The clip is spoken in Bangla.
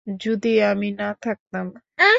যদি আমি না থাকতাম।